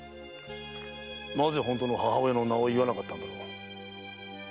なぜ本当の母親の名を言わなかったのだろう？